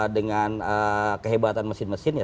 dengan kehebatan mesin mesin